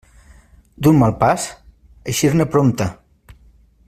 D'un mal pas, eixir-ne prompte.